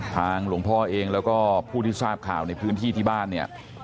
หลวงพ่อเองแล้วก็ผู้ที่ทราบข่าวในพื้นที่ที่บ้านเนี่ย